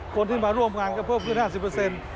คนที่มาร่วมงานก็เพิ่มขึ้น๕๐เปอร์เซ็นต์